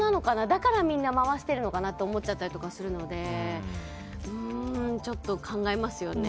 だからみんな回しているのかなと思っちゃったりするのでちょっと考えますよね。